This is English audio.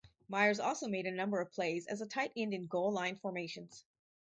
Myers also made a number of plays as a tight end in goal-line formations.